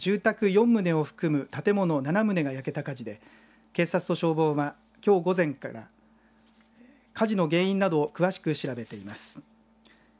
龍ケ崎市で住宅４棟を含む建物７棟が焼けた火事で警察と消防は、きょう午前から火事の原因など詳しく調べています。